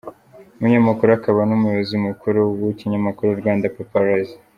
Umunyamakuru akaba n’ umuyobozi mukuru w’ ikinyamakuru Rwandapaparazzi.